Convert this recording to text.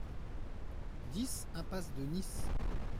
dix impasse de Nice